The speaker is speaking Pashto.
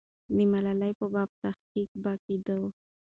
د ملالۍ په باب تحقیق به کېده.